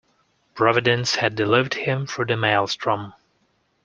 Providence had delivered him through the maelstrom.